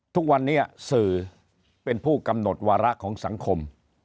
ทุกวันนี้สื่อเป็นผู้กำหนดวาระของสังคม